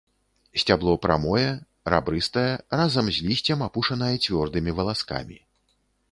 Сцябло прамое, рабрыстае, разам з лісцем апушанае цвёрдымі валаскамі.